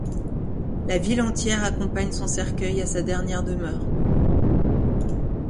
La ville entière accompagne son cercueil à sa dernière demeure.